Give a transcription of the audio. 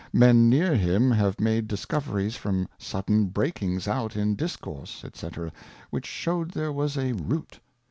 Men near him have made Discoveries from sudden breakings out in Discourse, c^c. which shewed there was a Root.